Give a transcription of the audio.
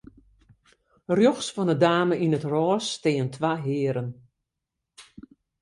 Rjochts fan 'e dame yn it rôs steane twa hearen.